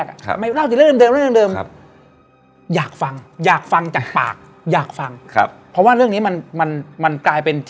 เขาก็เจอกัน